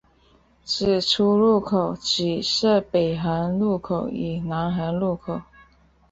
此出入口只设北行入口与南行出口。